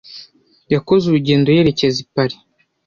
Yakoze urugendo yerekeza i Paris.